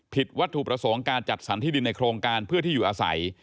วัตถุประสงค์การจัดสรรที่ดินในโครงการเพื่อที่อยู่อาศัย